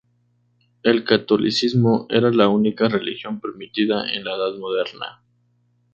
El catolicismo era la única religión permitida en la Edad Moderna.